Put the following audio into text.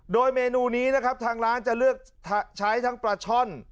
โดยเมนูนี้นะครับทางร้านจะเลือกใช้ทั้งปลาช่อน